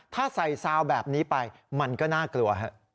ถ้าใส่ซาวแบบนี้ไปมันก็น่ากลัว